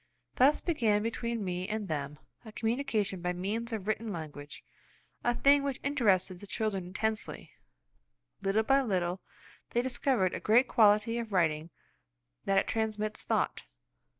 Thus began between me and them a communication by means of written language, a thing which interested the children intensely. Little by little, they discovered the great quality of writing–that it transmits thought.